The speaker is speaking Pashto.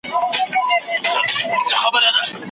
مکاري سترګي د رقیب دي سیوری ونه ویني